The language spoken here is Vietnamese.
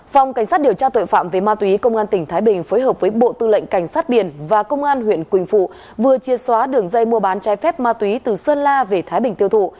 phòng cảnh sát điều tra tội phạm về ma túy công an tỉnh thái bình phối hợp với bộ tư lệnh cảnh sát biển và công an huyện quỳnh phụ vừa chia xóa đường dây mua bán trái phép ma túy từ sơn la về thái bình tiêu thụ